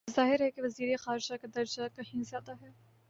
تو ظاہر ہے کہ وزیر خارجہ کا درجہ کہیں زیادہ ہے۔